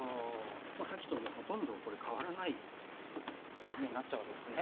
もうさっきとほとんどかわらない状態になっちゃうわけですね。